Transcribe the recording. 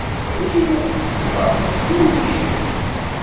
Amek i la ak-d-ttbaneɣ, d ungif?